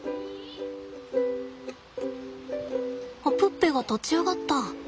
プッペが立ち上がった。